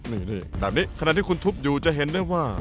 นี่ดับนี้ขณะสิ่งที่คุณถุบที่อยู่จะเห็นว่า